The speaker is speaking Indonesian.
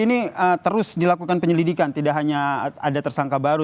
ini terus dilakukan penyelidikan tidak hanya ada tersangka baru